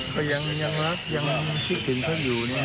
เขายังรักยังคิดถึงเขาอยู่นี่